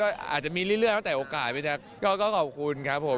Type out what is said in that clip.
ก็อาจจะมีเรื่อยตั้งแต่โอกาสพี่แจ๊คก็ขอบคุณครับผม